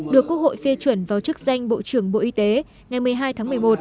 được quốc hội phê chuẩn vào chức danh bộ trưởng bộ y tế ngày một mươi hai tháng một mươi một